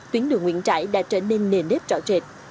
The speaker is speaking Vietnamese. tuyến đường nguyễn trãi đã trở nên nền nếp rõ rệt